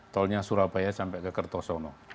tolnya surabaya sampai ke kertosono